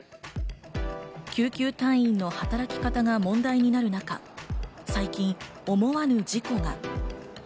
救急隊員の働き方が問題になる中、最近、思わぬ事故が。